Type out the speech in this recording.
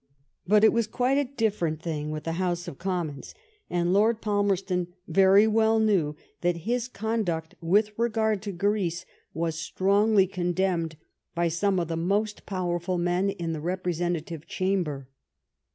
But it was quite a different thing with the House of Commons, and Lord Palmerston very well knew that his conduct with regard to Greece was strongly condemned by some of the most power ful men in the Representative Chamber.